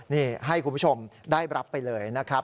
นี่ให้คุณผู้ชมได้รับไปเลยนะครับ